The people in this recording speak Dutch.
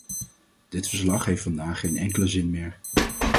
Dit verslag heeft vandaag geen enkele zin meer.